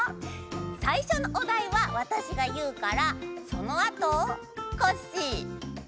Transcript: さいしょのおだいはわたしがいうからそのあとコッシースイちゃんデテコサボさん